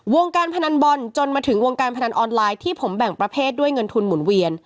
วงการพนันบอลจนมาถึงวงการพนันออนไลน์ที่ผมแบ่งประเภทด้วยเงินทุนหมุนเวียน